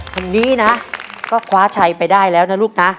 คนนี้นะก็คว้าชัยไปได้แล้วนะลูกนะ